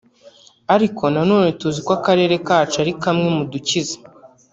ariko nanone tuzi ko akarere kacu ari kamwe mu dukize